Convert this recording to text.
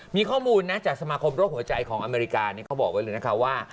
มีข้อมูลนะจากสมาคมโรคหัวใจของอเมริกาเขาบอกไว้เลยนะคะว่า